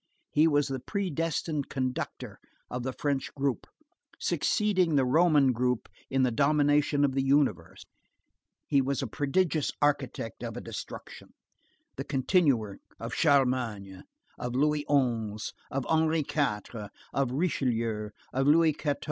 He was the predestined constructor of the French group, succeeding the Roman group in the domination of the universe. He was a prodigious architect, of a destruction, the continuer of Charlemagne, of Louis XI., of Henry IV., of Richelieu, of Louis XIV.